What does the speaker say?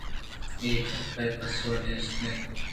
اے گپ ءِ پسو نیست اَت